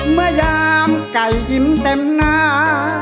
เมื่อยามไก่ยิ้มเต็มหน้า